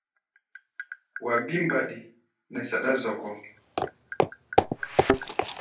Wa bí mbaɗi nɛ saɗá zɔkɔ́.